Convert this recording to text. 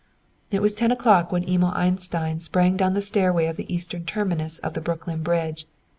It was ten o'clock when Emil Einstein sprang down the stairway of the eastern terminus of the Brooklyn Bridge.